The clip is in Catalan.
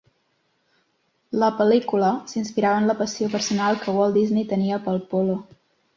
La pel·lícula s'inspirava en la passió personal que Walt Disney tenia pel polo